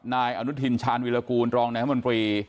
นายอนุทินชาญวิรากูลรองนายรัฐมนตรี